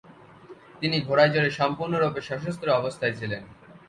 তিনি ঘোড়ায় চড়ে, সম্পূর্ণরূপে সশস্ত্র অবস্থায় ছিলেন।